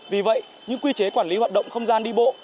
vì vậy những quy chế quản lý hoạt động không gian đi bộ